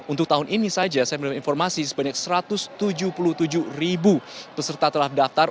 untuk tahun ini saja saya mendapatkan informasi sebanyak satu ratus tujuh puluh tujuh ribu peserta telah daftar